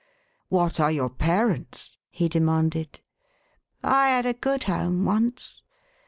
" What are your parents ?" he demanded. " I had a good home once.